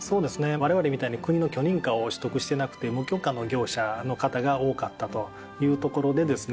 われわれみたいに国の許認可を取得してなくて無許可の業者の方が多かったというところでですね